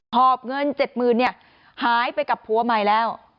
อบเงิน๗๐๐๐เนี่ยหายไปกับผัวใหม่แล้ว